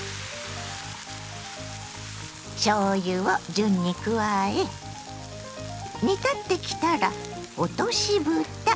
順に加え煮立ってきたら落としぶた。